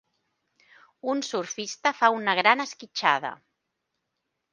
un surfista fa una gran esquitxada.